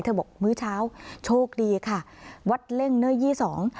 บอกมื้อเช้าโชคดีค่ะวัดเล่งเนอร์ยี่สอง